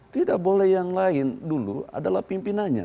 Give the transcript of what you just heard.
tidak boleh yang lain dulu adalah pimpinannya